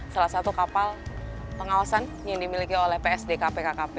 salah satu kapal pengawasan yang dimiliki oleh psdkpkkp